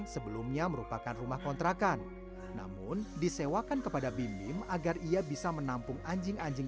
sebelumnya merupakan rumah kontrakan namun disewakan kepada bim bim agar ia bisa menampung anjing anjing